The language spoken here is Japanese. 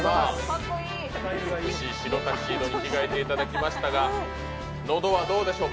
白タキシードに着替えていただきましたが、喉はどうでしょう？